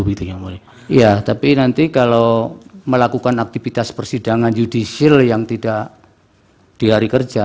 iya tapi nanti kalau melakukan aktivitas persidangan yudisial yang tidak di hari kerja